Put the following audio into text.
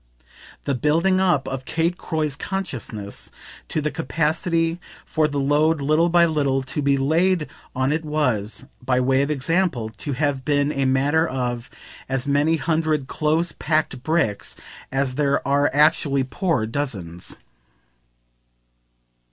The building up of Kate Croy's consciousness to the capacity for the load little by little to be laid on it was, by way of example, to have been a matter of as many hundred close packed bricks as there are actually poor dozens.